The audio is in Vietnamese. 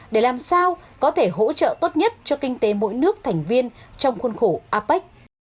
để làm sao có thể hỗ trợ tốt nhất cho kinh tế mỗi nước thành viên trong khuôn khổ apec